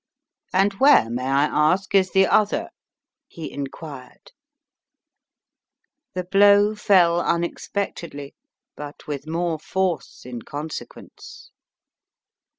"And where, may I ask, is the other?" he inquired. The blow fell unexpectedly, but with more force in consequence.